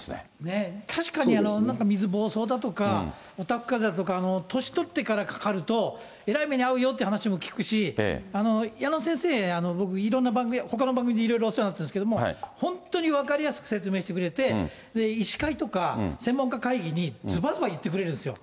確かに、なんか水ぼうそうだとか、おたふくかぜだとか、年取ってからかかると、えらい目に遭うよっていう話も聞くし、矢野先生、僕、いろんなほかの番組で、いろいろ、お世話になってるんですけども、本当に分かりやすく説明してくれて、医師会とか専門家会議に、ずばずば言ってくれるんですよ。